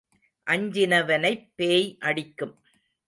அஞ்சினவனைப் பேய் அடிக்கும்.